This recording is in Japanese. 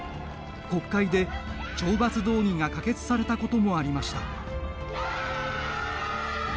国会で懲罰動議が可決されたこともありました。